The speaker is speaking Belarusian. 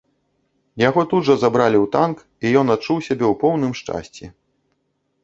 Яго тут жа забралі ў танк, і ён адчуў сябе ў поўным шчасці.